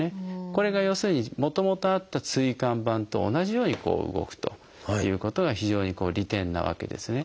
これが要するにもともとあった椎間板と同じように動くということが非常に利点なわけですね。